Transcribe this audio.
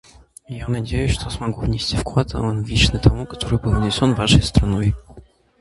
Я надеюсь, что смогу внести вклад, аналогичный тому, который был внесен Вашей страной.